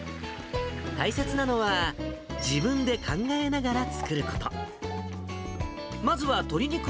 大切なのは、自分で考えながら作ること。